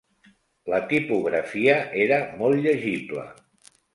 La tipografia era molt llegible.